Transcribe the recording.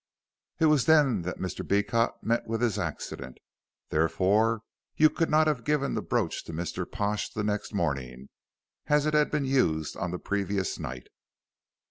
It was then that Mr. Beecot met with his accident. Therefore, you could not have given the brooch to Mr. Pash the next morning, as it had been used on the previous night."